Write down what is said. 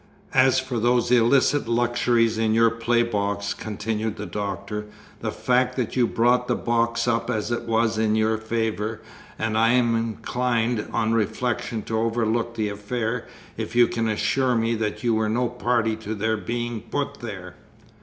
"As for those illicit luxuries in your playbox," continued the Doctor, "the fact that you brought the box up as it was is in your favour; and I am inclined on reflection to overlook the affair, if you can assure me that you were no party to their being put there?"